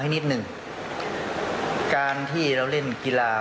มันมีโอกาสเกิดอุบัติเหตุได้นะครับ